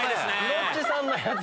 ロッチさんのやつ！